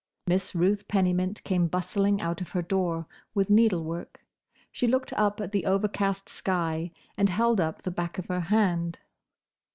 Miss Ruth Pennymint came bustling out of her door, with needlework. She looked up at the overcast sky and held up the back of her hand.